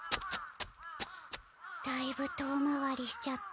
だいぶ遠回りしちゃった。